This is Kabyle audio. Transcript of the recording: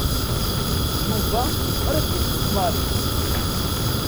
Yuba qrib yeṭṭef Mary.